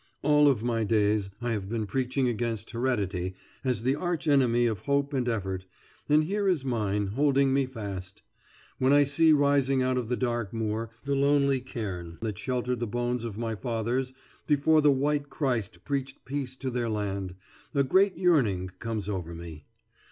All my days I have been preaching against heredity as the arch enemy of hope and effort, and here is mine, holding me fast. When I see, rising out of the dark moor, the lonely cairn that sheltered the bones of my fathers before the White Christ preached peace to their land, a great yearning comes over me.